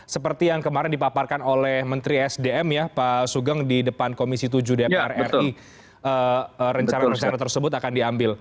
seperti yang kemarin dipaparkan oleh menteri sdm ya pak sugeng di depan komisi tujuh dpr ri rencana rencana tersebut akan diambil